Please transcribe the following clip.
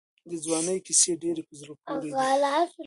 د ځوانۍ کیسې ډېرې په زړه پورې دي.